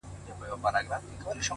انسان د خپلو انتخابونو مجموعه ده!